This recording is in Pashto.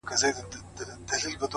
شعر اوس دومره کوچنی سوی دی ملگرو